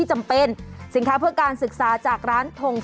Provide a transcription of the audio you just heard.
ใช้เมียได้ตลอด